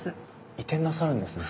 移転なさるんですね。